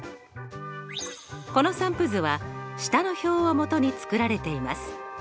この散布図は下の表を基に作られています。